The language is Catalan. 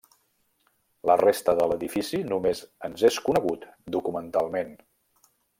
La resta de l'edifici només ens és conegut documentalment.